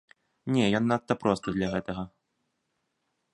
Не, ён надта просты для гэтага.